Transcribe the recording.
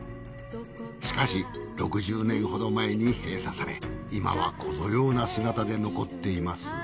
しかし６０年ほど前に閉鎖され今はこのような姿で残っています。